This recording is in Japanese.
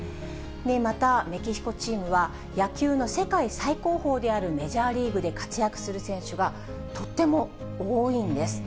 また、メキシコチームは野球の世界最高峰であるメジャーリーグで活躍する選手が、とっても多いんです。